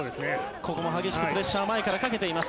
ここも激しくプレッシャー前からかけています。